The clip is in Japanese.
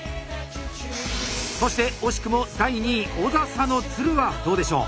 そして惜しくも第２位小佐々の鶴はどうでしょう？